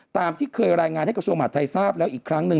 ตามที่เคยรายงานให้กระทรวงมหาดไทยทราบแล้วอีกครั้งหนึ่ง